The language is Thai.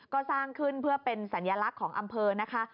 ก็สร้างขึ้นเพื่อเป็นสัญลักษณ์ของอำเภอนะคะ